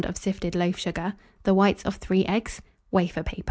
of sifted loaf sugar, the whites of 3 eggs, wafer paper.